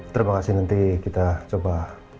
terima kasih nanti kita coba